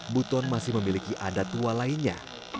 buton masih memiliki adat tua lainnya